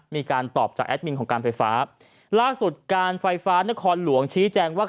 มีการตอบจากแอดมินของการไฟฟ้าล่าสุดการไฟฟ้านครหลวงชี้แจงว่า